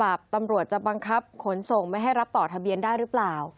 รางตอบว่าตำรวจจะบังคับขนทรงไม่ให้รับต่อทะเบียนได้รึเปล่า